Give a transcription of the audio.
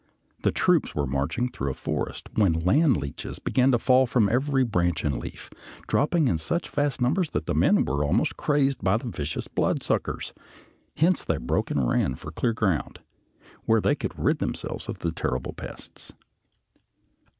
The troops were marching through a forest when land leeches began to fall from every branch and leaf, dropping in such vast numbers that the men were almost crazed by the vicious bloodsuckers; hence they broke and ran for clear ground, where they could rid themselves of the terrible pests.